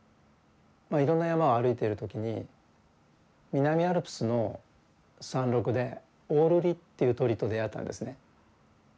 いろんな山を歩いている時に南アルプスの山麓でオオルリっていう鳥と出会ったんですね。